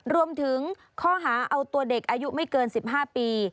รวมถึงข้อหาเอาตัวเด็กอายุไม่เกิน๑๕ปี